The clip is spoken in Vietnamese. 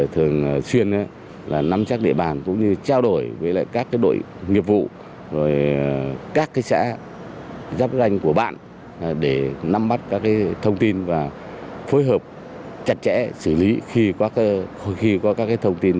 thường xuyên nắm chắc địa bàn cũng như trao đổi với các đội nghiệp vụ các xã giáp ranh của bạn để nắm bắt các thông tin và phối hợp chặt chẽ xử lý khi có các thông tin